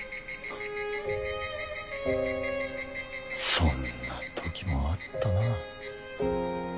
そんな時もあったな。